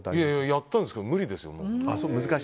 やったんですけど無理でしたよ。